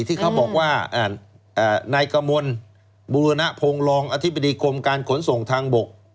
ที่เขาบอกว่านายกมลบุรณพงศ์รองอธิบดีกรมการขนส่งทางบก